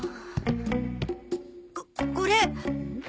ここれ。